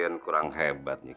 aduh sungguh madi